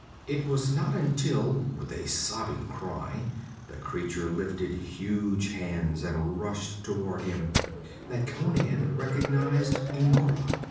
It was not until, with a sobbing cry, the creature lifted huge hands and rushed towards him, that Conan recognized N'Gora.